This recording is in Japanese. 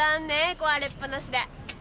壊れっぱなしで。